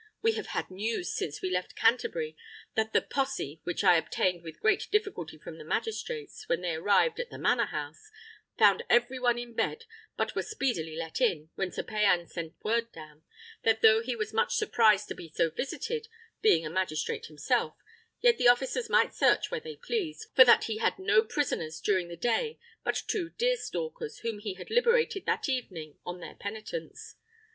We have had news since we left Canterbury that the posse, which I obtained with great difficulty from the magistrates, when they arrived at the manor house, found every one in bed, but were speedily let in, when Sir Payan sent word down, that though he was much surprised to be so visited, being a magistrate himself, yet the officers might search where they pleased, for that he had had no prisoners during the day but two deer stealers, whom he had liberated that evening on their penitence.